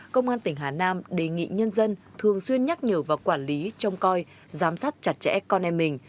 công an tỉnh hà nam đề nghị nhân dân thường xuyên nhắc nhở và quản lý trông coi giám sát chặt chẽ con em mình